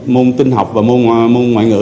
môn tinh học và môn ngoại ngữ